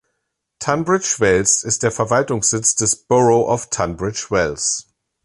Tunbridge Wells ist der Verwaltungssitz des Borough of Tunbridge Wells.